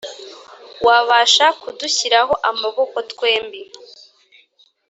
wabasha kudushyiraho amaboko twembi